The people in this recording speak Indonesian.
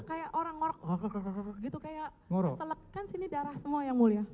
karena dia kayak orang ngorok gitu kayak telek kan sini darah semua yang mulia